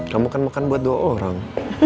kamu kan makan buat dua orang